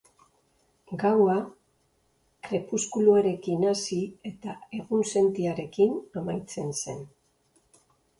Gaua krepuskuluarekin hasi eta egunsentiarekin amaitzen zen.